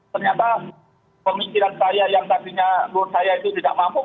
ternyata pemikiran saya yang tadinya menurut saya itu tidak mampu